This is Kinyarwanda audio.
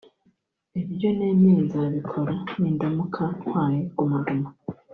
Ibyo nemeye nzabikora nindamuka ntwaye Guma Guma